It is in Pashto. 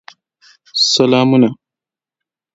سلامونه.